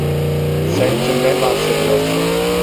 Sen kimden bahsediyorsun?